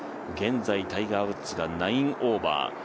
現在タイガー・ウッズは９オーバー。